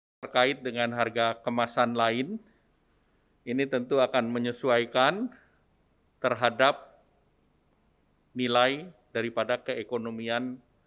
terkait dengan harga kemasan lain ini tentu akan menyesuaikan terhadap nilai daripada keekonomian